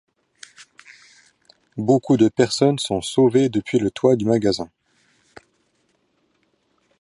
Beaucoup de personnes sont sauvées depuis le toit du magasin.